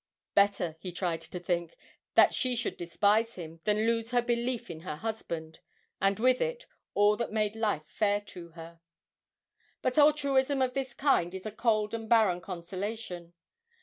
Better, he tried to think, that she should despise him, than lose her belief in her husband, and, with it, all that made life fair to her. But altruism of this kind is a cold and barren consolation.